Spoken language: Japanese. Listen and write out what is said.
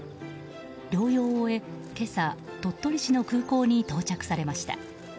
療養を終え、今朝鳥取市の空港に到着されました。